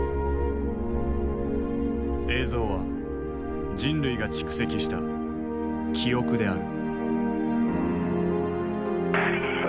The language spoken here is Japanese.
映像は人類が蓄積した記憶である。